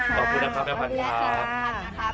ขอบคุณนะครับแม่พันธุ์ครับ